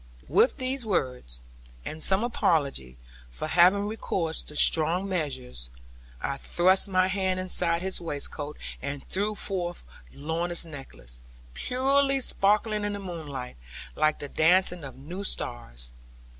With these words, and some apology for having recourse to strong measures, I thrust my hand inside his waistcoat, and drew forth Lorna's necklace, purely sparkling in the moonlight, like the dancing of new stars.